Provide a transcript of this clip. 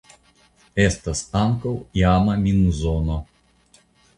Estas ankaŭ iama minzono.